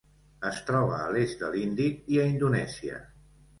Es troba a l'est de l'Índic i a Indonèsia.